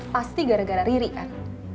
pasti gara gara riri kan